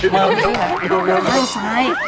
ไม่ใช่นี่นี่มิกะนี้